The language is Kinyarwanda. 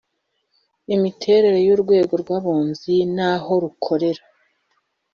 Imiterere y’Urwego rw’Abunzi n’aho rukorera